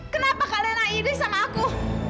kenapa kak lena iris sama aku